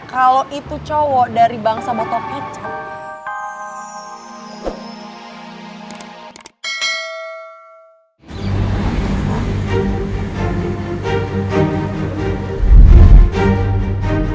kalo itu cowok dari bangsa botol kecap